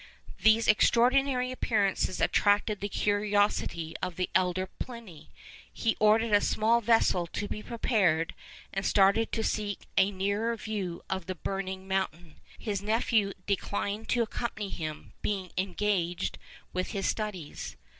These extraordinary appearances attracted the curiosity of the elder Pliny. He ordered a small vessel to be prepared, and started to seek a nearer view of the burning mountain. His nephew declined to accompany him, being engaged with his studies.